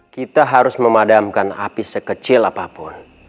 kita harus memadamkan api sekecil apapun